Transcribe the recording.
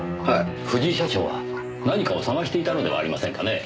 藤井社長は何かを捜していたのではありませんかねえ。